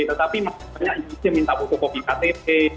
tetapi masih banyak yang minta utopi ktp